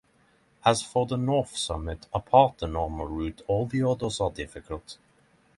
As for the North summit, apart the normal route all the others are difficult.